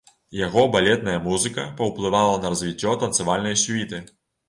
Яго балетная музыка паўплывала на развіццё танцавальнай сюіты.